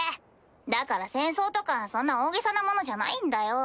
だから戦争とかそんな大げさなものじゃないんだよ。